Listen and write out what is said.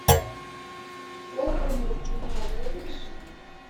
— Того мовчуна видиш?